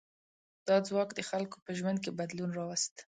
دا ځواک د خلکو په ژوند کې بدلون راوست.